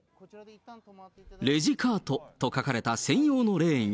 レジカートと書かれた専用のレーンへ。